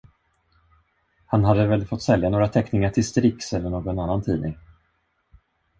Han hade väl fått sälja några teckningar till Strix eller någon annan tidning.